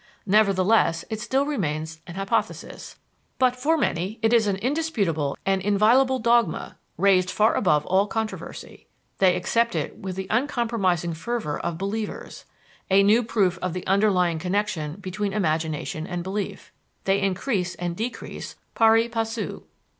Nevertheless, it still remains an hypothesis; but for many it is an indisputable and inviolable dogma, raised far above all controversy. They accept it with the uncompromising fervor of believers: a new proof of the underlying connection between imagination and belief they increase and decrease pari passu.